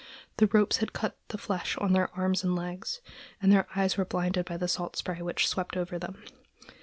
The ropes had cut the flesh on their arms and legs, and their eyes were blinded by the salt spray which swept over them.